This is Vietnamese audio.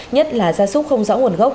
nhất là gia súc không rõ nguồn gốc